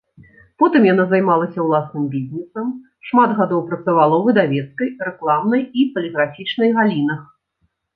Потым яна займалася ўласным бізнесам, шмат гадоў працавала ў выдавецкай, рэкламнай і паліграфічнай галінах.